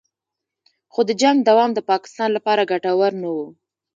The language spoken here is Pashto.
خو د جنګ دوام د پاکستان لپاره ګټور نه و